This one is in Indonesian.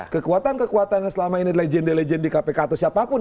kekuatan kekuatan yang selama ini legenda legenda di kpk atau siapa pun